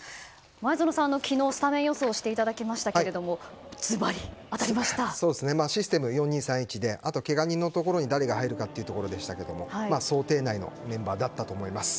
前園さん、昨日スタメン予想をしていただきましたが、ずばりシステム４ー２ー３ー１であとは、けが人のところに誰が入るかというところでしたが想定内のメンバーだったと思います。